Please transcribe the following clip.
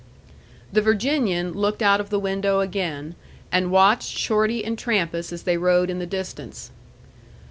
The Virginian looked out of the window again, and watched Shorty and Trampas as they rode in the distance.